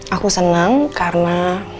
aku seneng karena